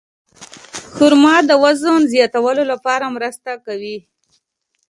خرما د وزن زیاتولو لپاره مرسته کوي.